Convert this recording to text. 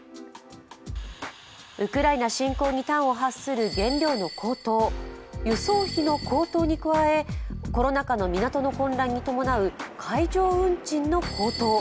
ウクライナ侵攻に端を発する原料の高騰、輸送費の高騰に加えコロナ禍の港の混乱に伴う海上運賃の高騰。